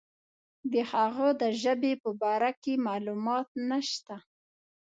د هغه د ژبې په باره کې معلومات نشته.